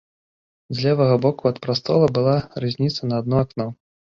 З левага боку ад прастола была рызніца на адно акно.